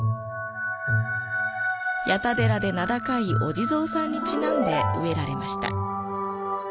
矢田寺で名高いお地蔵さんにちなんで植えられました。